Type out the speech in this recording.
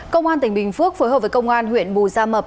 công an tỉnh bình phước phối hợp với công an huyện bù gia mập